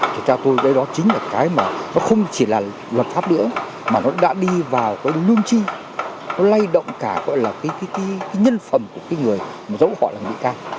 thì theo tôi cái đó chính là cái mà nó không chỉ là luật pháp nữa mà nó đã đi vào cái nương chi nó lây động cả gọi là cái nhân phẩm của cái người mà dẫu họ là người cao